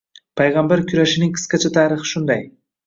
Payg‘ambar kurashining qisqacha tarixi shunday